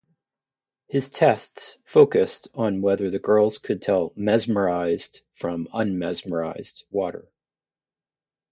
His tests focussed on whether the girls could tell 'mesmerised' from 'unmesmerised' water.